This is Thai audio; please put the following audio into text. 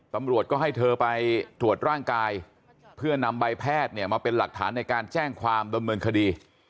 ตำรวจก็ให้เธอไปตรวจร่างกายเพื่อนำใบแพทย์เนี่ยมาเป็นหลักฐานในการแจ้งความดำเนินคดี